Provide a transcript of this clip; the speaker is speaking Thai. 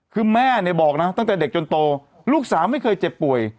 คือแม่เนี่ยบอกนะตั้งแต่เด็กจนโตลูกสาวไม่เคยเจ็บป่วย